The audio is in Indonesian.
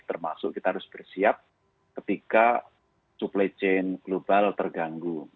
termasuk kita harus bersiap ketika supply chain global terganggu